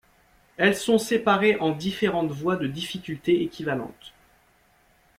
Elles sont séparées en différentes voies de difficulté équivalente.